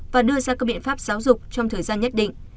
và đưa ra các biện pháp giáo dục trong thời gian nhất định